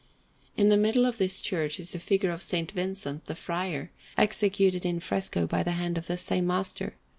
In the middle of this church is a figure of S. Vincent, the Friar, executed in fresco by the hand of the same master.